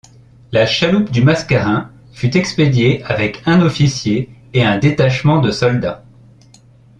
La chaloupe du Mascarin fut expédiée avec un officier et un détachement de soldats.